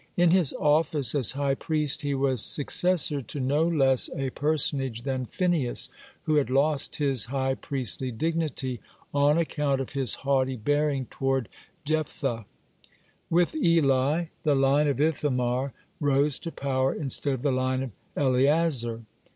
(24) In his office as high priest he was successor to no less a personage than Phinehas, who had lost his high priestly dignity on account of his haughty bearing toward Jephthah. With Eli the line of Ithamar rose to power instead of the line of Eleazar.